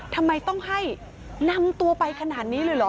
ทำไมต้องให้นำตัวไปขนาดนี้เลยเหรอ